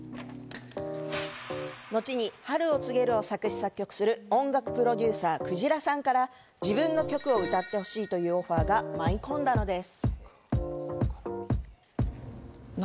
後に『春を告げる』を作詞・作曲する音楽プロデューサーくじらさんから自分の曲を歌ってほしいというオファーが舞い込んだのです。